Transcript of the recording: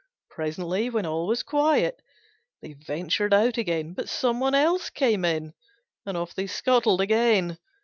Presently, when all was quiet, they ventured out again; but some one else came in, and off they scuttled again.